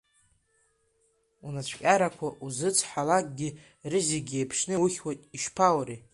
Унацәкьарақәа узыцҳалакгьы рызегьы еиԥшны иухьуеит, ишԥааури…